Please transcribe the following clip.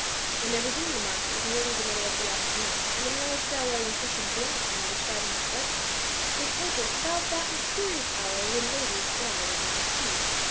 "' When they resumed the march it was nearly the middle of the afternoon; and the meal which Dalroy insisted buoyantly on describing as breakfast was tak en about that mysterious hour when ladies die without tea.